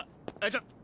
ちょっ。